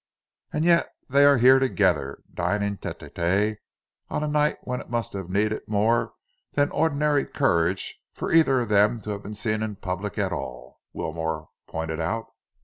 "And yet they are here together, dining tête à tête, on a night when it must have needed more than ordinary courage for either of them to have been seen in public at all," Wilmore pointed out.